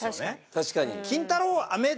確かに。